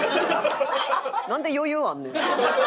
なんで余裕あんねん。